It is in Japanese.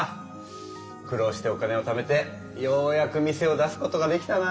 苦労してお金をためてようやく店を出すことができたなぁ。